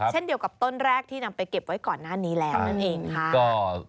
เช่นเดียวกับต้นแรกที่นำไปเก็บไว้ก่อนหน้านี้แล้วนั่นเองค่ะ